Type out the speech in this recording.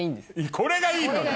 これがいいのね？